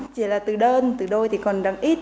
chỉ là từ đơn từ đôi thì còn đang ít